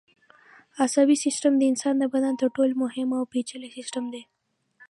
عصبي سیستم د انسان د بدن تر ټولو مهم او پېچلی سیستم دی.